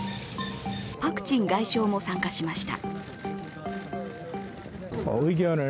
パク・チン外相も参加しました。